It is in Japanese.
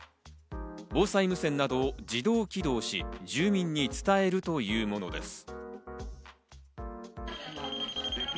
防災無線などを自動起動し、住民に伝えるというものです。